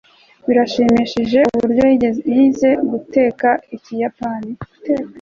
birashimishije uburyo yize guteka ikiyapani